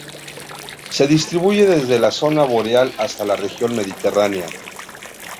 Se distribuye desde la zona boreal hasta la región mediterránea.